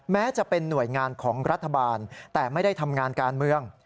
แม้จะเป็นหน่วยงานของรัฐบาลแต่ไม่ได้ทำงานการเมือง